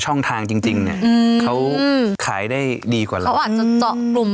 ช่องทางจริงจริงเนี่ยเขาขายได้ดีกว่าเราเขาอาจจะเจาะกลุ่ม